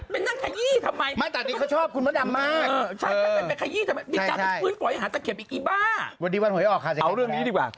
ปังปั่นหรือเปล่า